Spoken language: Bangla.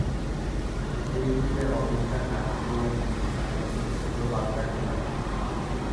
এইরূপে অবিদ্যা নাশ করিয়া তিনি তাঁহার যথার্থ স্বরূপ আত্মাকে জানেন।